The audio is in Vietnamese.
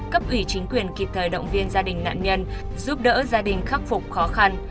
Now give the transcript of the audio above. cấp ủy chính quyền kịp thời động viên gia đình nạn nhân giúp đỡ gia đình khắc phục khó khăn